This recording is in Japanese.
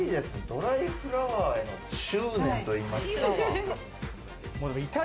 ドライフラワーへの執念といいますか。